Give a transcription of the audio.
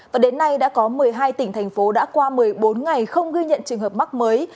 và đến nay đã có một mươi hai tỉnh thành phố đã qua một mươi bốn ngày không ghi nhận trường hợp mắc mới